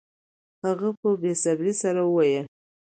هغه په بې صبرۍ سره وویل